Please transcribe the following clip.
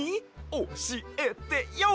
おしえてＹＯ！